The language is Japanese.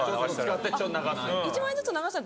１枚ずつ流したら。